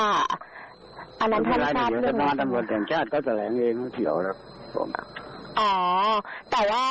อันนั้นทำไมครับเรื่องอ๋อแต่ว่า